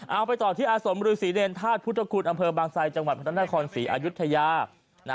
เอาไปต่อที่อสมริษริเนรนทาสพุทธคุณอำเภอบางไซยจังหวัดพระต้านทะคอนศรีอายุทธยา